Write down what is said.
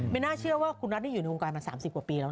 น่าเชื่อว่าคุณนัทอยู่ในวงการมา๓๐กว่าปีแล้ว